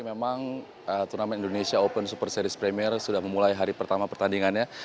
memang turnamen indonesia open super series premier sudah memulai hari pertama pertandingannya